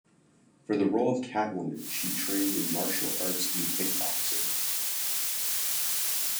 For the role of Catwoman, she trained in martial arts and kickboxing.